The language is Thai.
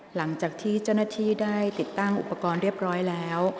หลังจากที่เจ้าหน้าที่ได้ติดตั้งอุปกรณ์เรียบร้อยแล้ว